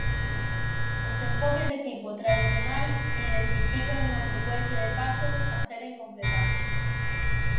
Os enfoques de tipo "tradicional" identifican unha secuencia de pasos a seren completados.